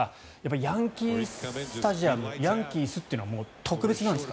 ヤンキー・スタジアムヤンキースっていうのは特別なんですか？